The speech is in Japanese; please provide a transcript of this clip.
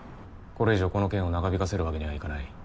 これ以上この件を長引かせるわけにはいかない。